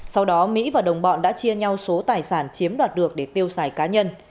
sau đó mỹ và đồng bọn đã chia nhau số tài sản chiếm đoạt được để tiêu xài cá nhân